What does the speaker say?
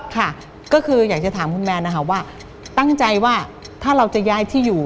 ค่ะก็คืออยากจะถามคุณแมนนะคะว่าตั้งใจว่าถ้าเราจะย้ายที่อยู่